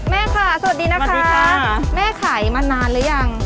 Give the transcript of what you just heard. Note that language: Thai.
แม่ค่ะสวัสดีนะคะสวัสดีค่ะแม่ขายมานานหรือยัง